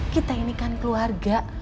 kita ini kan keluarga